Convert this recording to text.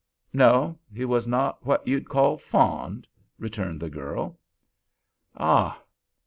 "No;—he was not what you'd call 'fond,'" returned the girl. "Ah!